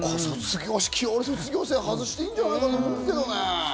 卒業生は外していいんじゃないかと思うんだけどね。